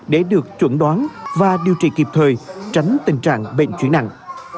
để được chuẩn đoán và điều trị kịp thời tránh tình trạng bệnh chuyển nặng